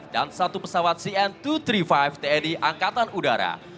dan satu pesawat cn dua ratus tiga puluh lima tni angkatan udara